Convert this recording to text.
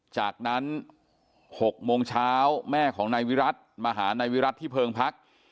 จากนั้น๖โมงเช้าแม่ของนายวิรัติมาหานายวิรัติที่เพิงพัก